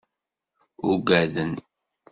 Uggaden.